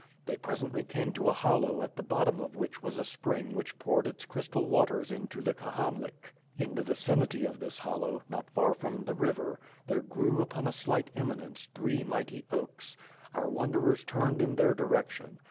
They presently came to a hollow, at the bottom of which was a spring which poured its crystal waters into the Kahamlik. In the vicinity of this hollow, not far from the river, there grew, upon a slight eminence, three mighty oaks. Our wanderers turned in their direction.